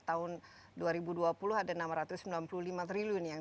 tahun dua ribu dua puluh ada enam ratus sembilan puluh lima triliun yang